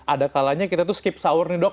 ada kalanya kita skip saur nih dok